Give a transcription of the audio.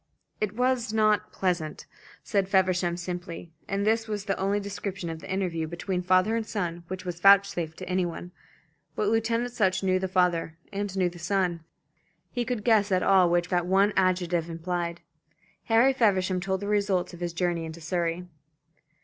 "It was not pleasant," said Feversham, simply; and this was the only description of the interview between father and son which was vouchsafed to any one. But Lieutenant Sutch knew the father and knew the son. He could guess at all which that one adjective implied. Harry Feversham told the results of his journey into Surrey.